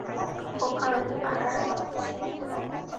খোকা, আমি পাহারা দিচ্ছি।